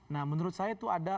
nah menurut saya itu ada